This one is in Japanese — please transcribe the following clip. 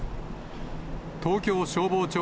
東京消防庁